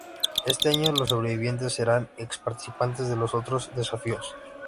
Este año los Sobrevivientes serán ex-participantes de los otros desafíos.